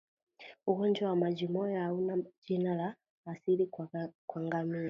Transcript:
Ugonjwa wa majimoyo hauna jina la asili kwa ngamia